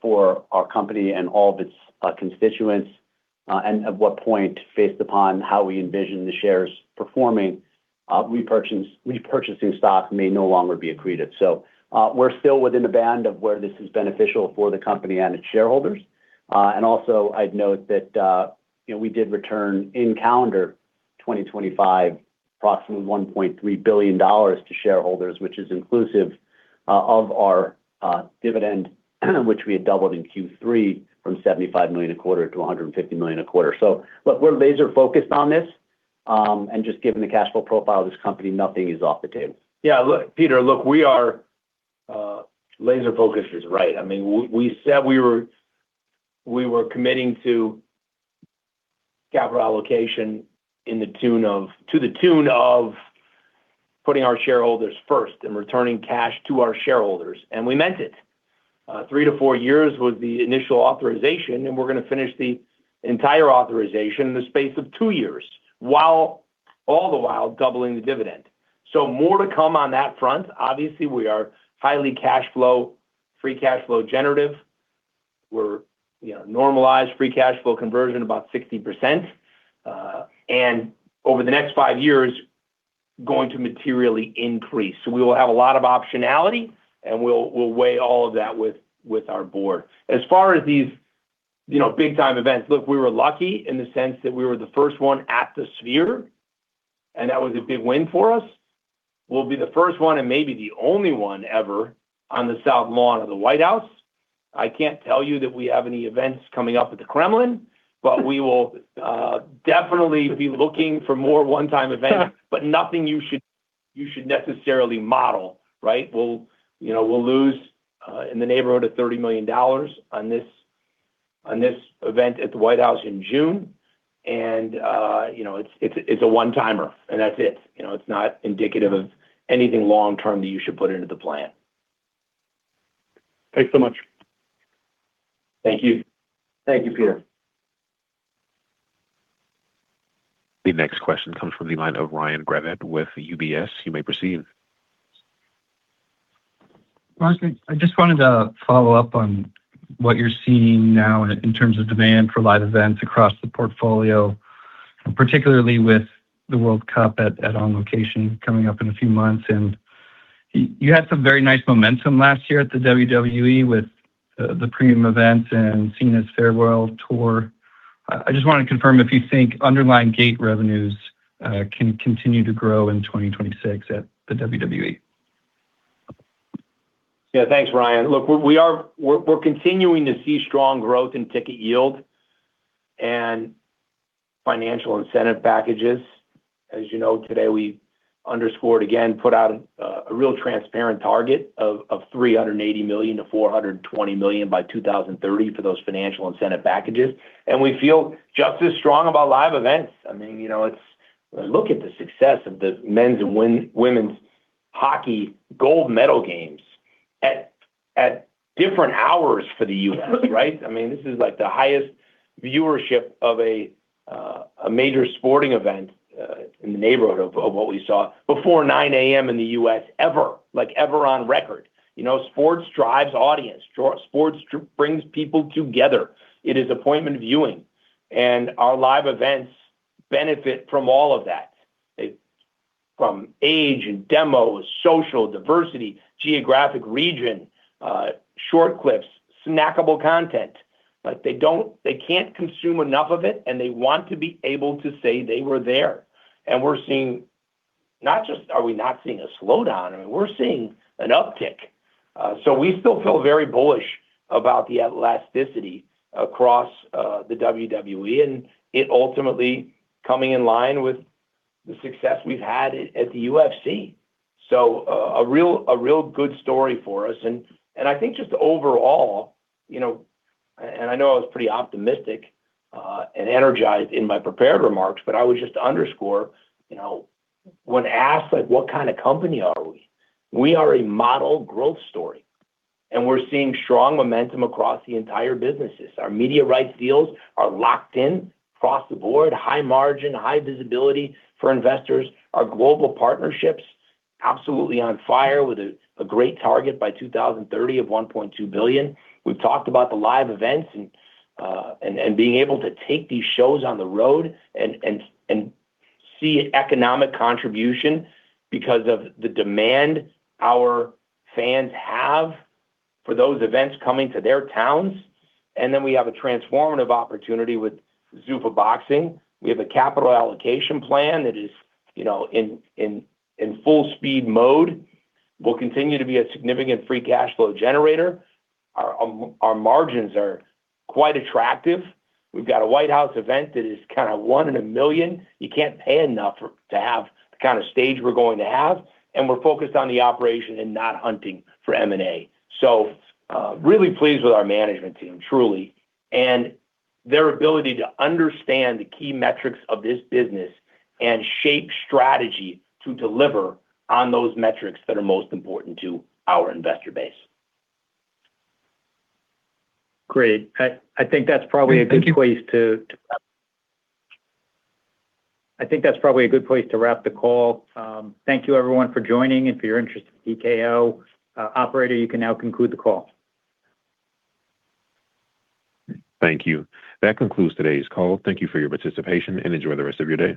for our company and all of its constituents, and at what point, based upon how we envision the shares performing, repurchasing stocks may no longer be accretive. We're still within the band of where this is beneficial for the company and its shareholders. I'd note that, you know, we did return in calendar 2025, approximately $1.3 billion to shareholders, which is inclusive of our dividend, which we had doubled in Q3 from $75 million a quarter to $150 million a quarter. Look, we're laser-focused on this, and just given the cash flow profile of this company, nothing is off the table. Look, Peter, we are laser-focused is right. I mean, we said we were committing to capital allocation to the tune of putting our shareholders first and returning cash to our shareholders. We meant it. Three to four years was the initial authorization, we're going to finish the entire authorization in the space of two years, all the while doubling the dividend. More to come on that front. Obviously, we are highly free cash flow generative. We're, you know, normalized free cash flow conversion, about 60%, over the next five years, going to materially increase. We will have a lot of optionality, and we'll weigh all of that with our board. As far as these, you know, big-time events, look, we were lucky in the sense that we were the first one at the Sphere, and that was a big win for us. We'll be the first one and maybe the only one ever on the South Lawn of the White House. I can't tell you that we have any events coming up at the Kremlin, but we will definitely be looking for more one-time events, but nothing you should necessarily model, right? We'll, you know, we'll lose in the neighborhood of $30 million on this event at the White House in June, and, you know, it's, it's a one-timer, and that's it. You know, it's not indicative of anything long-term that you should put into the plan. Thanks so much. Thank you. Thank you, Peter. The next question comes from the line of Ryan Gravett with UBS. You may proceed. Ryan, I just wanted to follow up on what you're seeing now in terms of demand for live events across the portfolio, and particularly with the World Cup at On Location coming up in a few months. You had some very nice momentum last year at the WWE with the premium events and Cena's farewell tour. I just want to confirm if you think underlying gate revenues can continue to grow in 2026 at the WWE. Yeah. Thanks, Ryan. Look, we're continuing to see strong growth in ticket yield and financial incentive packages. As you know, today we underscored again, put out a real transparent target of $380 million-$420 million by 2030 for those financial incentive packages. We feel just as strong about live events. I mean, you know, it's. Look at the success of the men's and women's hockey gold medal games at different hours for the U.S., right? I mean, this is like the highest viewership of a major sporting event in the neighborhood of what we saw before 9:00 A.M. in the U.S. ever, like ever on record. You know, sports drives audience, sports brings people together. It is appointment viewing, and our live events benefit from all of that. From age and demos, social, diversity, geographic region, short clips, snackable content, but they can't consume enough of it, and they want to be able to say they were there. We're seeing, not just are we not seeing a slowdown, I mean, we're seeing an uptick. We still feel very bullish about the elasticity across the WWE, and it ultimately coming in line with the success we've had at the UFC. A real good story for us. I think just overall, you know, and I know I was pretty optimistic and energized in my prepared remarks, but I would just underscore, you know, when asked, like, what kind of company are we? We are a model growth story. We're seeing strong momentum across the entire businesses. Our media rights deals are locked in across the board, high margin, high visibility for investors. Our global partnerships, absolutely on fire with a great target by 2030 of $1.2 billion. We've talked about the live events and being able to take these shows on the road and see economic contribution because of the demand our fans have for those events coming to their towns. We have a transformative opportunity with Zuffa Boxing. We have a capital allocation plan that is, you know, in full speed mode, will continue to be a significant free cash flow generator. Our margins are quite attractive. We've got a White House event that is kind of one in a million. You can't pay enough to have the kind of stage we're going to have. We're focused on the operation and not hunting for M&A. Really pleased with our management team, truly, and their ability to understand the key metrics of this business and shape strategy to deliver on those metrics that are most important to our investor base. Great. I think that's probably a good place to wrap the call. Thank you everyone for joining and for your interest in TKO. Operator, you can now conclude the call. Thank you. That concludes today's call. Thank you for your participation, and enjoy the rest of your day.